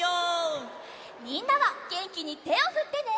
みんなはげんきにてをふってね！